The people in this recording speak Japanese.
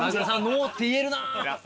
ノーって言えるな。